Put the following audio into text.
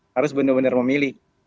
harus benar benar memilih